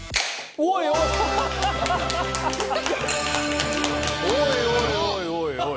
おいおいおい。